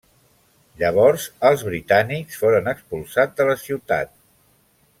Llavors els britànics foren expulsats de la ciutat.